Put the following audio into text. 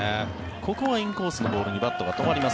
ここはインコースのボールにバットが止まります。